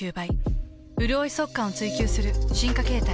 うるおい速乾を追求する進化形態。